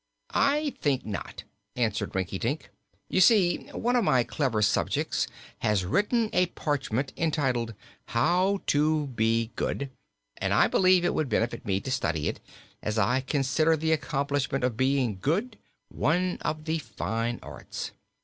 "I think not," answered Rinkitink. "You see, one of my clever subjects has written a parchment entitled 'How to be Good,' and I believed it would benefit me to study it, as I consider the accomplishment of being good one of the fine arts.